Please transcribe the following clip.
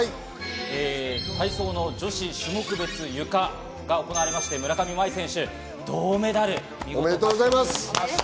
体操の女子種目別ゆかが行われて村上茉愛選手、銅メダル、見事獲得しました。